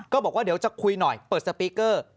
บอกว่าเดี๋ยวจะคุยหน่อยเปิดสปีกเกอร์